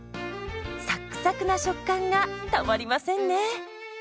サックサクな食感がたまりませんね。